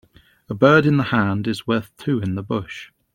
A bird in the hand is worth two in the bush.